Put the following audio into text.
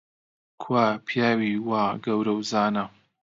کوا پیاوی وا گەورە و زانا؟